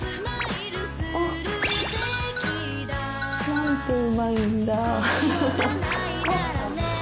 何てうまいんだ。